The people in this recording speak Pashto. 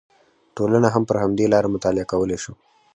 ټولنه هم پر همدې لاره مطالعه کولی شو